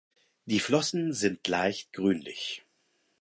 Die Flossen sind leicht grünlich.